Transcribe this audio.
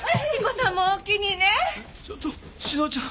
ちょっと志乃ちゃん。